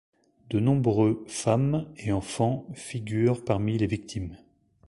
De nombreux femmes et enfants figurent parmi les victimes.